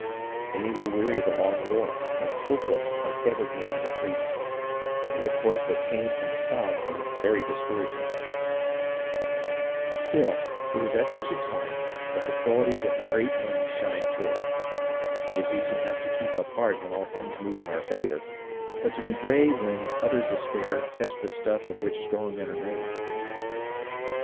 Many were weary of the long war and hopeless of ever gaining their freedom, and the reports that came from the south were very discouraging. Still it ARNOLD AND ANDRE 289 is at just such a time that the qualities of a great man shine forth. It is easy enough to keep up heart when all things move in our favour, but to be brave when others despair tests the stuff of which strong men are made.